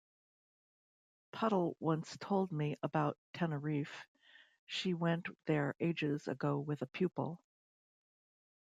Puddle once told me about Teneriffe, she went there ages ago with a pupil.